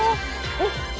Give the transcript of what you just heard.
うん。